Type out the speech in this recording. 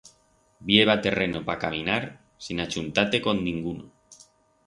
Bi heba terreno pa caminar sin achuntar-te con dinguno.